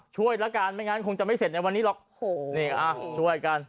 ละกันไม่งั้นคงจะไม่เสร็จในวันนี้หรอกโอ้โหนี่อ่ะช่วยกัน